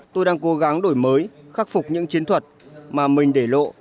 tôi đang cố gắng đổi mới khắc phục những chiến thuật mà mình để lộ